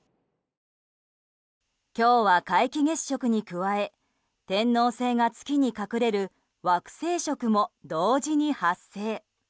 今日は皆既月食に加え天王星が月に隠れる惑星食も同時に発生。